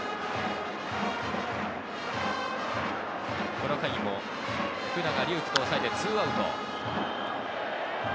この回も福永、龍空と抑えて２アウト。